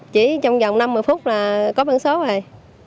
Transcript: chỉ trong vòng năm mươi phút là có bản số rồi